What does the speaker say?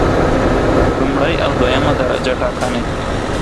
لومړی او دویمه درجه ټاکنې